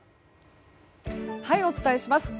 お伝えします。